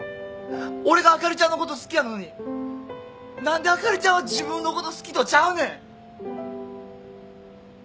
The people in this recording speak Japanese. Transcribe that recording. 俺があかりちゃんのこと好きやのに何であかりちゃんは自分のこと好きとちゃうねん。